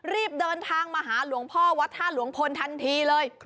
รีบเดินทางมาหาหลวงพ่อวัดท่าหลวงพลทันทีเลย